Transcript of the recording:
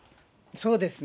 そうですね。